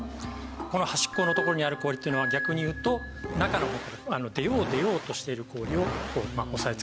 この端っこのところにある氷っていうのは逆に言うと中の出よう出ようとしている氷を押さえつけている。